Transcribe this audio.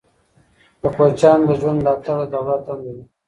د کوچیانو د ژوند ملاتړ د دولت دنده ده.